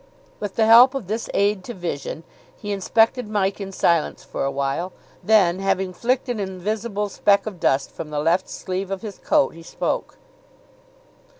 With the help of this aid to vision he inspected Mike in silence for a while, then, having flicked an invisible speck of dust from the left sleeve of his coat, he spoke.